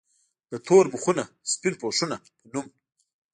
د “ تور مخونه سپين پوښونه ” پۀ نوم